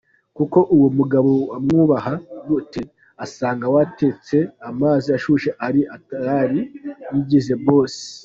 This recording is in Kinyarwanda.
Koko uwo mugabo wamwubaha gute?? Asanga watetse amazi ashyushye ari tayari yigize boss.